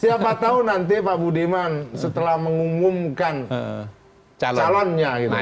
siapa tahu nanti pak budiman setelah mengumumkan calonnya